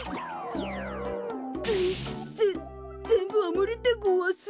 ぜぜんぶはむりでごわす。